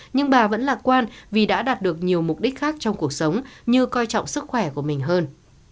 nhưng bà vẫn lạc quan vì đã đạt được nhiều mục đích khác trong cuộc sống như coi trọng sức khỏe của mình hơn